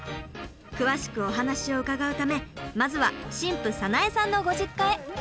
詳しくお話を伺うためまずは新婦早苗さんのご実家へ。